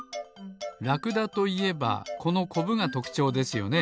ラクダといえばこのコブがとくちょうですよね。